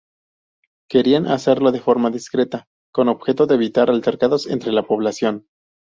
Querían hacerlo de forma discreta con objeto de evitar altercados entre la población.